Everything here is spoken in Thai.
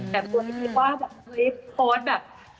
แบบโปสต์แบบ